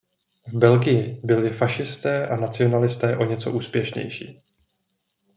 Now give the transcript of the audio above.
V Belgii byli fašisté a nacionalisté o něco úspěšnější.